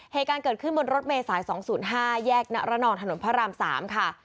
เหตุการณ์เกิดขึ้นบนรถเมษาย๒๐๕แยกณรนองถนนพระราม๓ค่ะ